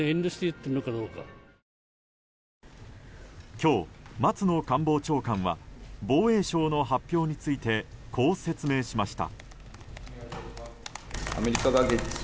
今日、松野官房長官は防衛省の発表についてこう説明しました。